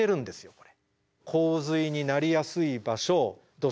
これ。